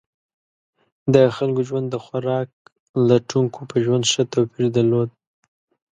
د خلکو ژوند د خوراک لټونکو په ژوند ښه توپیر درلود.